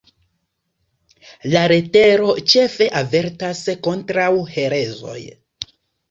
La letero ĉefe avertas kontraŭ herezoj.